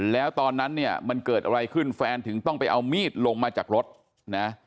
แล้วตอนนั้นเนี่ยมันเกิดอะไรขึ้นแฟนถึงต้องไปเอามีดลงมาจากรถนะ